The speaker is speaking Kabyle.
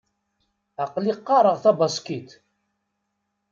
Aql-i qqareɣ tabaṣkit.